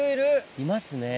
いますね。